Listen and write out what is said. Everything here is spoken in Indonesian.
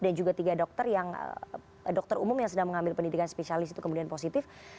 dan juga tiga dokter yang dokter umum yang sedang mengambil pendidikan spesialis itu kemudian positif